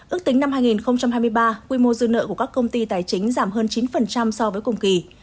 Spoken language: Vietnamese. ước tính năm hai nghìn hai mươi ba quy mô dư nợ của các công ty tài chính giảm hơn chín so với cùng kỳ